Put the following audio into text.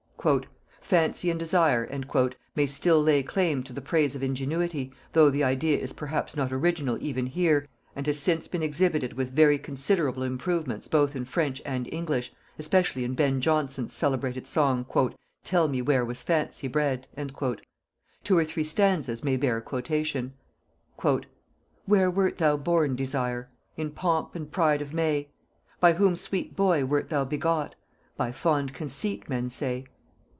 "Fancy and Desire" may still lay claim to the praise of ingenuity, though the idea is perhaps not original even here, and has since been exhibited with very considerable improvements both in French and English, especially in Ben Jonson's celebrated song, "Tell me where was Fancy bred?" Two or three stanzas may bear quotation. "Where wert thou born Desire?" "In pomp and pride of May." "By whom sweet boy wert thou begot?" "By Fond Conceit men say."